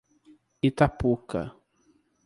Itapuca